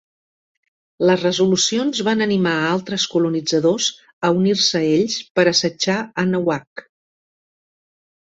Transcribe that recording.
Les resolucions van animar a altres colonitzadors a unir-se a ells per assetjar Anahuac.